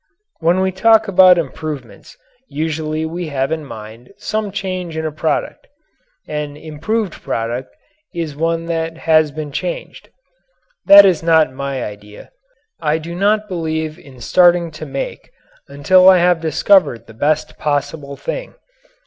When we talk about improvements usually we have in mind some change in a product. An "improved" product is one that has been changed. That is not my idea. I do not believe in starting to make until I have discovered the best possible thing.